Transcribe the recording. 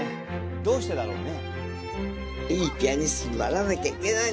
どうしてだろうね？